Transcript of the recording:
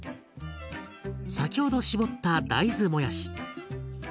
先ほど絞った大豆もやし。